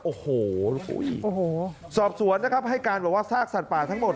โอ้โหสอบสวนนะครับให้การบอกว่าซากสัตว์ป่าทั้งหมด